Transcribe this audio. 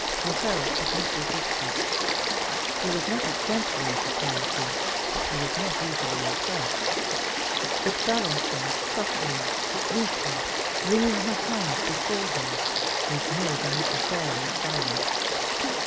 Morrel could not resist this; he was not exemplary for piety, he was not easily impressed, but Valentine suffering, weeping, wringing her hands before him, was more than he could bear in silence.